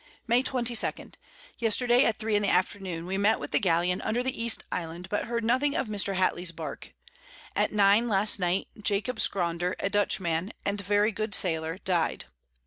May 22. Yesterday at 3 in the Afternoon we met with the Galleon under the East Island, but heard nothing of Mr. Halley's Bark. At 9 last Night Jacob Scronder a Dutch man, and very good Sailor, died.